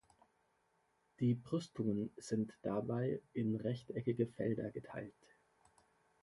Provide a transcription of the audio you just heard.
Die Brüstungen sind dabei in rechteckige Felder geteilt.